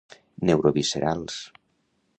Neuroviscerals.